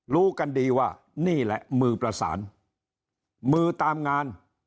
รู้กันดีว่านี่แหละมือประสานมือตามงาน